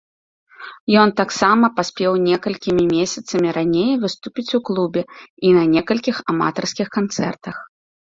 Ён таксама паспеў некалькімі месяцамі раней выступіць у клубе і на некалькіх аматарскіх канцэртах.